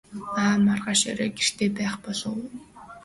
Аав маргааш орой гэртээ байх болов уу?